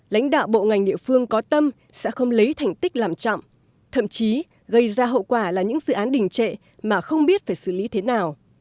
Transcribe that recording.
lãnh đạo bộ ngành địa phương có tâm sẽ không lấy thành tích làm chậm thậm chí gây ra hậu quả là những dự án đình trệ mà không biết phải xử lý thế nào